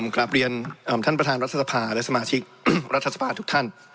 กลับเรียนท่านประธานรัฐสภาและสมาชิกรัฐสภาทุกท่าน